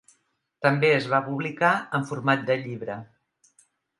També es va publicar en format de llibre.